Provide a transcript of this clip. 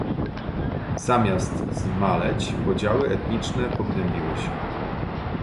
Zamiast zmaleć, podziały etniczne pogłębiły się